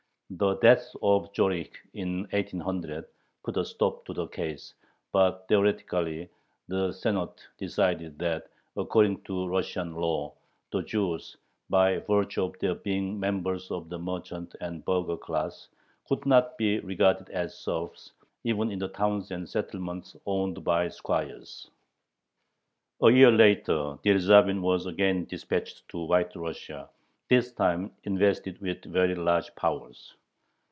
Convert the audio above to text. The death of Zorich in 1800 put a stop to the case, but theoretically the Senate decided that, according to Russian law, the Jews, by virtue of their being members of the merchant and burgher class, could not be regarded as serfs even in the towns and settlements owned by squires. A year later Dyerzhavin was again dispatched to White Russia, this time invested with very large powers.